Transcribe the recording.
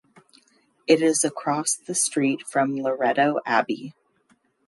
It is across the street from Loreto Abbey.